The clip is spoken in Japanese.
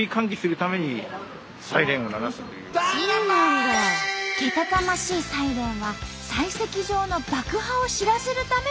けたたましいサイレンは砕石場の爆破を知らせるための音なんと！